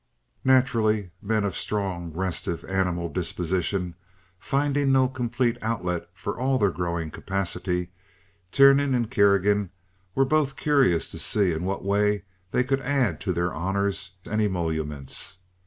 Naturally men of strong, restive, animal disposition, finding no complete outlet for all their growing capacity, Tiernan and Kerrigan were both curious to see in what way they could add to their honors and emoluments.